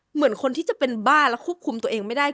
เหมือนคนที่จะเป็นบ้าแล้วควบคุมตัวเองไม่ได้